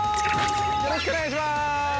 ◆よろしくお願いします！